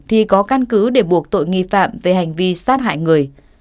thì có căn cứ để buộc tội nghi phạm về hành vi sát hại người